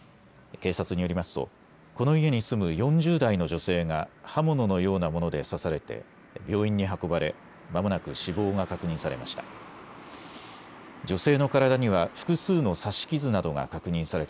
警察によりますとこの家に住む４０代の女性が刃物のようなもので刺されて病院に運ばれまもなく死亡が確認されました。